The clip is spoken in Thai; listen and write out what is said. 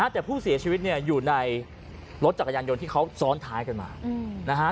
แต่ผู้เสียชีวิตอยู่ในรถจักรยานยนต์ที่เขาซ้อนท้ายกันมานะฮะ